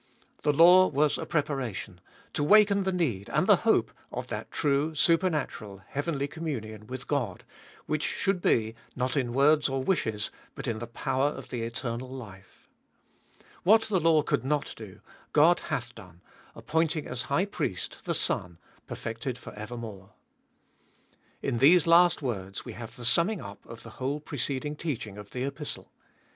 The law was a preparation, to waken the need and the hope, of that true, supernatural, heavenly communion with God, which should be, not in words or wishes, but in the power of the eternal life. What the law could not do, God hath done, appointing as High Priest, the Son, perfected for evermore. In these last words we have the summing up of the whole preceding teaching of the Epistle.